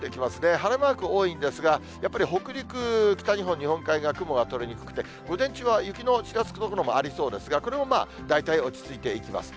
晴れマーク多いんですが、やっぱり北陸、北日本日本海側、雲が取れにくくて、午前中、雪のちらつく所もありそうですが、これもまあ、大体落ち着いていきます。